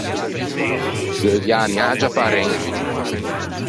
Deuviâ a miagia pe arrembo.